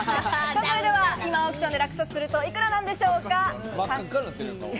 それでは今オークションで落札するといくらなんでしょうか？